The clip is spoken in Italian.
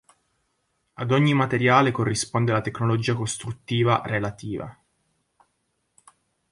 Ad ogni materiale corrisponde la tecnologia costruttiva relativa.